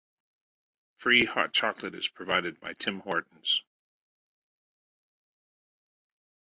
Free hot chocolate is provided by Tim Hortons.